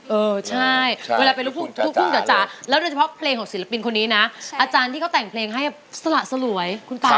เออใช่เวลาเป็นลูกทุ่งลูกทุ่งจ๋าแล้วโดยเฉพาะเพลงของศิลปินคนนี้นะอาจารย์ที่เขาแต่งเพลงให้สละสลวยคุณตา